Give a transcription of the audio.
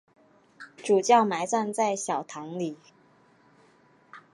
主教埋葬在小堂里。